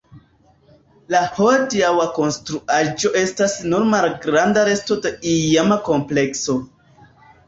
La hodiaŭa konstruaĵo estas nur malgranda resto la iama komplekso.